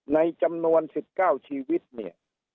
ในจำนวน๑๙ชีวิตเนี่ย